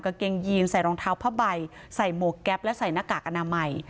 เกงยีนใส่รองเท้าผ้าใบใส่หมวกแก๊ปและใส่หน้ากากอนามัย